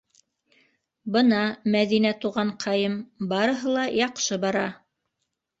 Бына, Мәҙинә туғанҡайым, барыһы ла яҡшы бара!